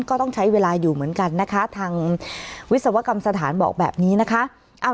ก็ต้องใช้เวลาอยู่เหมือนกันนะคะทางวิศวกรรมสถานบอกแบบนี้นะคะ